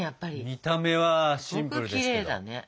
見た目はシンプルですけど。